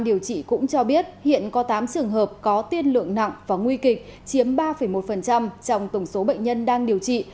điều trị cũng cho biết hiện có tám trường hợp có tiên lượng nặng và nguy kịch chiếm ba một trong tổng số bệnh nhân đang điều trị